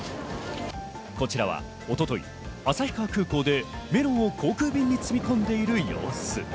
こちらは一昨日、旭川空港でメロンを航空便に積み込んでいる様子。